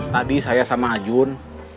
tadi saya sama ajun